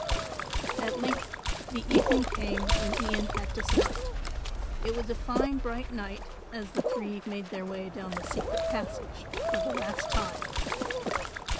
At length the evening came when Ian had to start. It was a fine bright night as the three made their way down the secret passage for the last time.